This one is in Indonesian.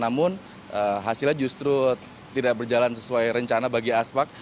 namun hasilnya justru tidak berjalan sesuai rencana bagi aspak